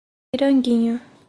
Piranguinho